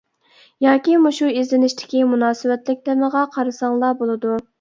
ياكى مۇشۇ ئىزدىنىشتىكى مۇناسىۋەتلىك تېمىغا قارىساڭلار بولىدۇ.